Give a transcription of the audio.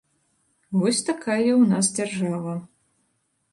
Вось такая ў нас дзяржава.